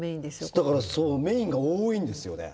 だからそうメインが多いんですよね。